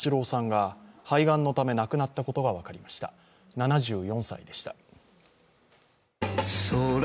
７４歳でした。